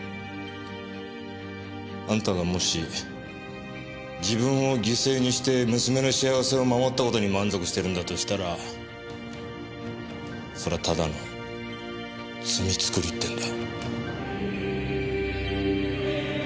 あんたがもし自分を犠牲にして娘の幸せを守った事に満足してるんだとしたらそれはただの罪作りってんだ。